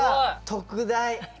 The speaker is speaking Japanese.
特大！